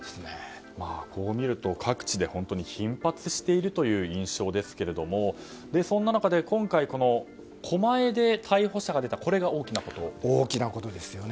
こう見ると各地で頻発しているという印象ですけれどもそんな中で今回狛江で逮捕者が出たこれが大きなことだと。